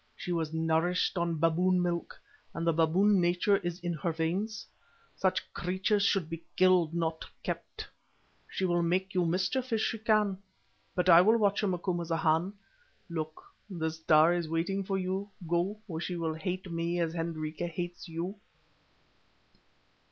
She was nourished on baboon milk, and the baboon nature is in her veins. Such creatures should be killed, not kept. She will make you mischief if she can. But I will watch her, Macumazahn. Look, the Star is waiting for you; go, or she will hate me as Hendrika hates you."